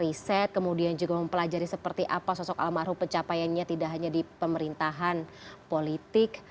riset kemudian juga mempelajari seperti apa sosok almarhum pencapaiannya tidak hanya di pemerintahan politik